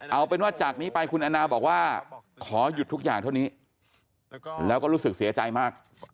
เอาเป็นว่าจากนี้ไปคุณแอนนาบอกว่าขอหยุดทุกอย่างเท่านี้แล้วก็รู้สึกเสียใจมาก